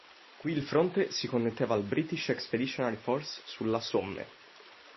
Qui il fronte si connetteva al British Expeditionary Force sulla Somme.